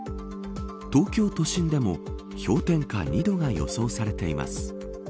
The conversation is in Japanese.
東京都心でも氷点下２度が予想されています。